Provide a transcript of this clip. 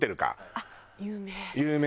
あっ有名。